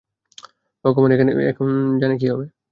ভগবান এখন যানে কি হবে।